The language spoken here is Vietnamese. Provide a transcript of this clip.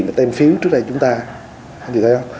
mà tem phiếu trước đây chúng ta